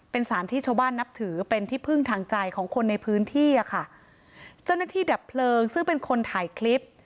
เป็นสารที่ชาวบ้านนับถือเป็นที่พึ่งทางใจของคนในพื้นที่อ่ะค่ะเจ้าหน้าที่ดับเพลิงซึ่งเป็นคนถ่ายคลิป